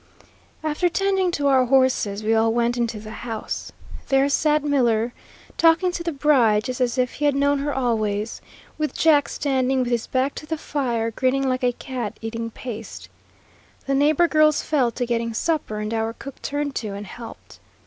After tending to our horses, we all went into the house. There sat Miller talking to the bride just as if he had known her always, with Jack standing with his back to the fire, grinning like a cat eating paste. The neighbor girls fell to getting supper, and our cook turned to and helped.